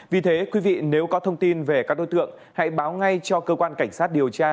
vì thế quý vị nếu có thông tin về các đối tượng hãy báo ngay cho cơ quan cảnh sát điều tra